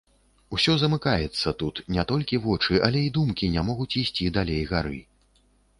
Усё замыкаецца тут, не толькі вочы, але і думкі не могуць ісці далей гары.